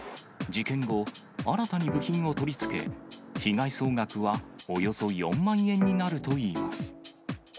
事件後、新たに部品を取り付け、被害総額はおよそ４万円になるといいます。